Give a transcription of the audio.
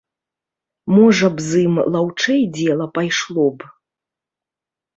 Можа б з ім лаўчэй дзела пайшло б?!